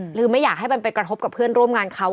ไม่อยากให้มันไปกระทบกับเพื่อนร่วมงานเขา